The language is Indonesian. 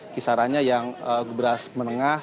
kisarannya yang beras menengah